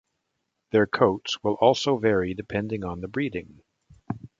Their coats will also vary depending on the breeding.